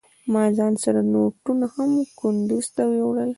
ما ځان سره نوټونه هم کندوز ته يوړل.